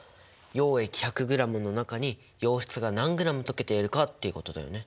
溶液１００ｇの中に溶質が何ｇ溶けているかっていうことだよね。